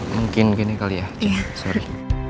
mungkin gini kali ya sorry